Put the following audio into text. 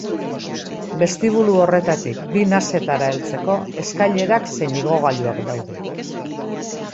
Bestibulu horretatik bi nasetara heltzeko eskailerak zein igogailuak daude.